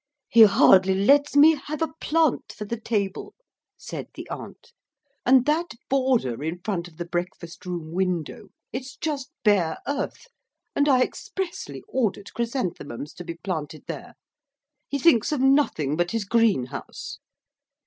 'He hardly lets me have a plant for the table,' said the aunt, 'and that border in front of the breakfast room window it's just bare earth and I expressly ordered chrysanthemums to be planted there. He thinks of nothing but his greenhouse.'